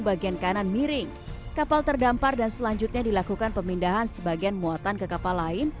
bagian kanan miring kapal terdampar dan selanjutnya dilakukan pemindahan sebagian muatan ke kapal lain